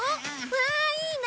わあいいな！